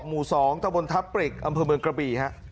หมู่๒ตะบนทัพปริกอำเภอเมืองกระบี่ฮะ